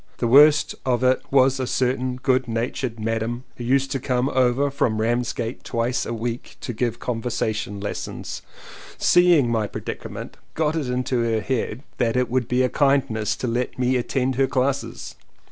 The worst of it was a certain good natured "Madam" who used to come over from Ramsgate twice a week to give conversa tion lessons, seeing my predicament got it into her head that it would be a kindness to let me attend her classes.